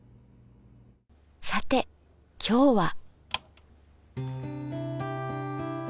さて今日は。